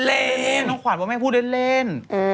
เล่นน้องขวัญว่าไม่พูดเล่น